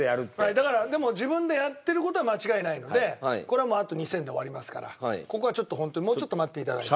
だからでも自分でやってる事は間違いないのでこれはもうあと２０００で終わりますからここはちょっとホントにもうちょっと待って頂いて。